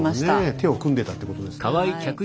手を組んでたってことですね。